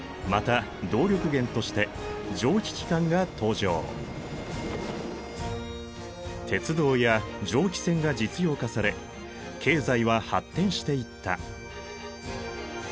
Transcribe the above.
また鉄道や蒸気船が実用化され経済は発展していった。